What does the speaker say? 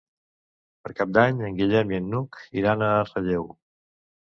Per Cap d'Any en Guillem i n'Hug iran a Relleu.